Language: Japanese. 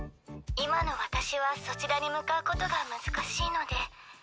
今の私はそちらに向かうことが難しいので。